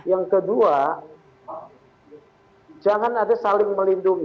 yang kedua jangan ada saling melindungi